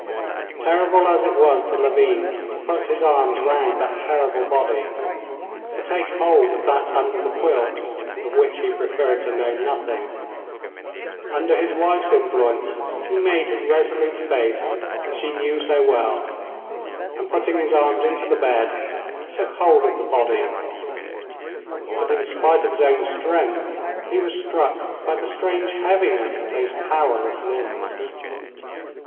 Terrible as it was to Levin to put his arms round that terrible body, to take hold of that under the quilt, of which he preferred to know nothing, under his wife's influence he made his resolute face that she knew so well, and putting his arms into the bed took hold of the body, but in spite of his own strength he was struck by the strange heaviness of those powerless limbs.